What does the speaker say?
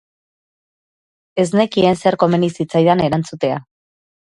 Ez nekien zer komeni zitzaidan erantzutea.